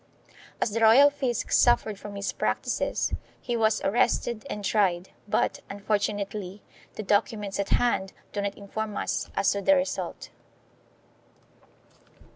As the royal fisc suffered from his practices he was arrested and tried, but, unfor tunately, the documents at hand do not inform us as to the result.